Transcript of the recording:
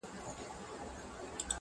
کندهاری راغی